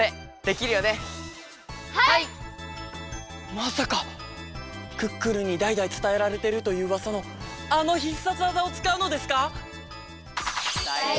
まさかクックルンにだいだいつたえられてるといううわさのあの必殺技をつかうのですか！？